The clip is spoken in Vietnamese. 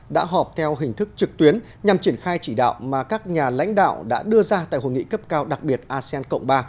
đã họp theo hình thức trực tuyến nhằm triển khai chỉ đạo mà các nhà lãnh đạo đã đưa ra tại hội nghị cấp cao đặc biệt asean cộng ba